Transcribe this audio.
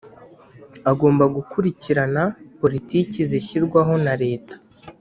Agomba gukurikirana politiki zishyirwaho na Leta